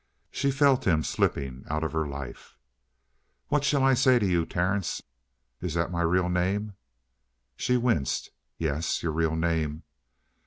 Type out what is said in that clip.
She felt him slipping out of her life. "What shall I say to you, Terence?" "Is that my real name?" She winced. "Yes. Your real name."